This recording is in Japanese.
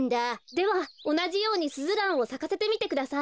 ではおなじようにスズランをさかせてみてください。